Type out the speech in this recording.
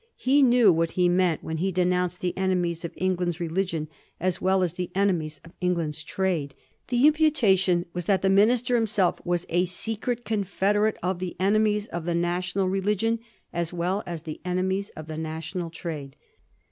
He knew what he meant when he denounced the enemies of England's religion as well as the enemies of England's trade. The imputation was that the Minister himself was a secret confederate of the ene mies of the national religion as well as the enemies of the national trade.